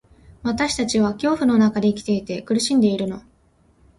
私たちは恐怖の中で生きていて、苦しんでいるの。